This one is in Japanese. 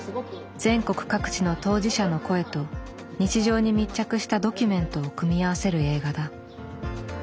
全国各地の当事者の声と日常に密着したドキュメントを組み合わせる映画だ。